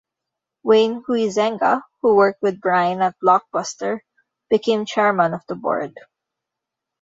Wayne Huizenga, who worked with Byrne at Blockbuster, became Chairman of the Board.